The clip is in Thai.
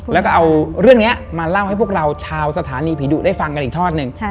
แล้วก็เอาเรื่องนี้มาเล่าให้พวกเราชาวสถานีผีดุได้ฟังกันอีกทอดหนึ่ง